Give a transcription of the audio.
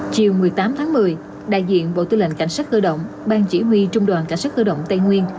chiều một mươi tám tháng một mươi đại diện bộ tư lệnh cảnh sát cơ động bang chỉ huy trung đoàn cảnh sát cơ động tây nguyên